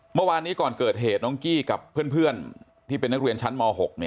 เมื่อวานนี้ก่อนเกิดเหตุน้องกี้กับเพื่อนที่เป็นนักเรียนชั้นม๖